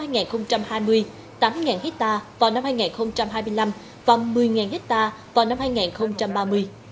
diện tích nuôi tôm siêu thâm canh sẽ tăng lên tám hectare vào năm hai nghìn hai mươi năm và một mươi hectare vào năm hai nghìn ba mươi